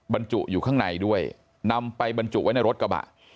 บรรจุอยู่ข้างในด้วยนำไปบรรจุไว้ในรถกระบะ